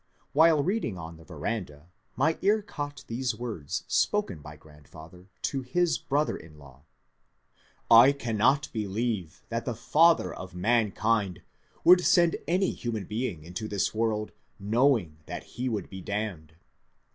While reading on the veranda my ear caught these words spoken by grandfather to his brother in law :^^ I cannot believe that the father of mankind would send any human being into this world knowing that he would be damned."